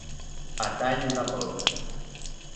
A tall de polca.